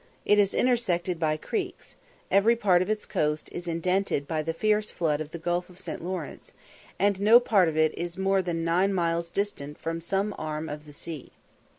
It is intersected by creeks; every part of its coast is indented by the fierce flood of the Gulf of St. Lawrence, and no part of it is more than nine miles distant from some arm of the sea.